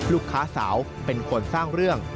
ลูกสาวเป็นคนสร้างเรื่อง